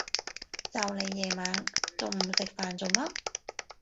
就嚟夜晚，仲唔食飯做乜？